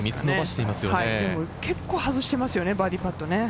結構外してますよね、バーディーパット。